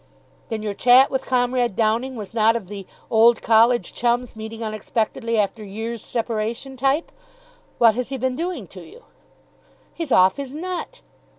"Then your chat with Comrade Downing was not of the old College chums meeting unexpectedly after years' separation type? What has he been doing to you?" "He's off his nut."